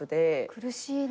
苦しいね。